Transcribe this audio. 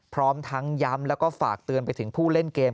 พร้อมทั้งย้ำแล้วก็ฝากเตือนไปถึงผู้เล่นเกม